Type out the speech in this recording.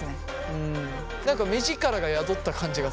何か目力が宿った感じがする。